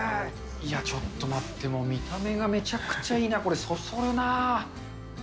ちょっと待って、見た目がめちゃくちゃいいな、これ、そそるなあ。